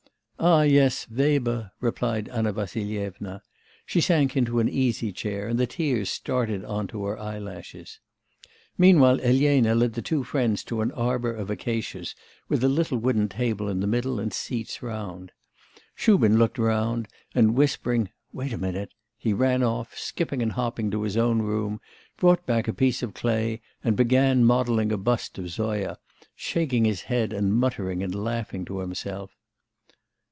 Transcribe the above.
'Ah, yes, Weber,' replied Anna Vassilyevna. She sank into an easy chair, and the tears started on to her eyelashes. Meanwhile, Elena led the two friends to an arbour of acacias, with a little wooden table in the middle, and seats round. Shubin looked round, and, whispering 'Wait a minute!' he ran off, skipping and hopping to his own room, brought back a piece of clay, and began modelling a bust of Zoya, shaking his head and muttering and laughing to himself.